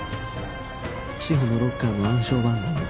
志法のロッカーの暗証番号も